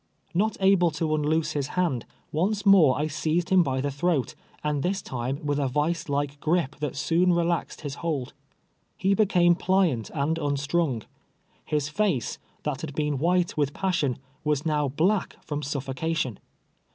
Xot aide to unloose his hand, once more I seized him 1)V the throat, and this time, with a vicedike gripe that soon relaxed his hold, lie became pliant and unstrung. His face, that had heen white with passion, was now black from suffocation.